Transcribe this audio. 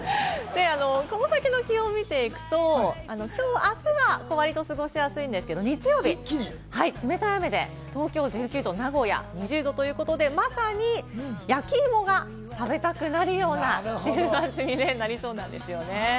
この先の気温を見ていきますと、あすはわりと過ごしやすいんですけれども日曜日、冷たい雨で東京１９度、名古屋２０度、まさに焼き芋が食べたくなるような、週末になりそうなんですよね。